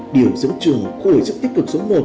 điều dẫn trường khối rất tích cực số một